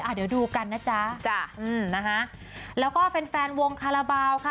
เดี๋ยวดูกันนะจ๊ะจ้ะอืมนะคะแล้วก็แฟนแฟนวงคาราบาลค่ะ